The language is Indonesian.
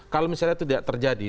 kalau misalnya itu tidak terjadi